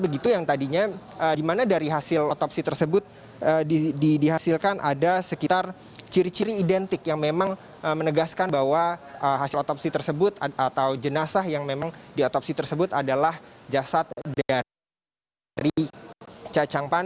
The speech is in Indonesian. begitu yang tadinya dimana dari hasil otopsi tersebut dihasilkan ada sekitar ciri ciri identik yang memang menegaskan bahwa hasil otopsi tersebut atau jenazah yang memang diotopsi tersebut adalah jasad dari ca chang pan